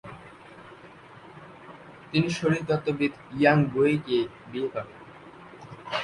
তিনি শারীরতত্ত্ববিদ ইয়াং বুয়েইকে বিয়ে করেন।